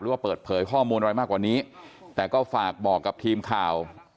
ว่าเปิดเผยข้อมูลอะไรมากกว่านี้แต่ก็ฝากบอกกับทีมข่าว